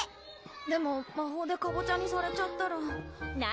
でも魔法でかぼちゃにされちゃったら何？